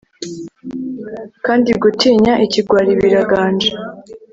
Kandi gutinya ikigwari biraganje